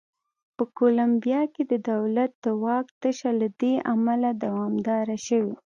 په کولمبیا کې د دولت د واک تشه له دې امله دوامداره شوې.